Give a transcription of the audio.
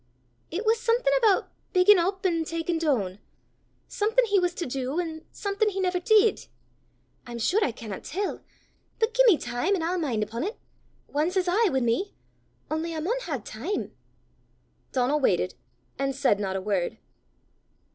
It was something aboot biggin' up an' takin' doon something he was to do, an' something he never did! I'm sure I canna tell! But gie me time, an' I'll min' upo' 't! Ance is aye wi' me only I maun hae time!" Donal waited, and said not a word.